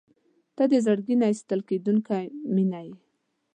• ته د زړګي نه ایستل کېدونکې مینه یې.